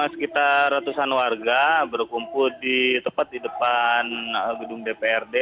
sekitar ratusan warga berkumpul tepat di depan gedung dprd